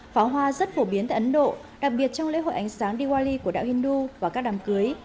pháo hoa rất phổ biến tại ấn độ đặc biệt trong lễ hội ánh sáng diwali của đạo hindu và các đàm cưới